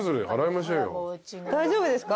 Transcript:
大丈夫ですか？